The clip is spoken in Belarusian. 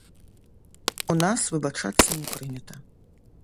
У нас выбачацца не прынята.